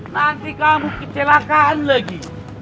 nanti kamu kecelakaan lagi